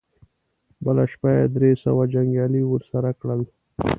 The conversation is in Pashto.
بله شپه يې درې سوه جنګيالي ور سره کړل.